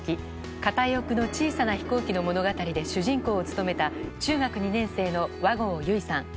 「片翼の小さな飛行機」の物語で主人公を務めた中学２年生の和合由依さん。